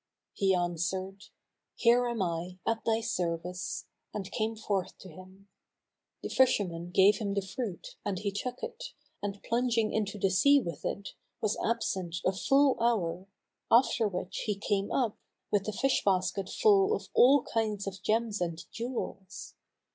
He answered, "Here am I, at thy service;" and came forth to him. The fisherman gave him the fruit and he took it and plunging into the sea with it, was absent a full hour, after which time he came up, with the fish basket full of all kinds of gems and jewels.